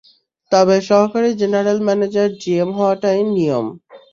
তবে সহকারী general manager GM হওয়াটাই নিয়ম।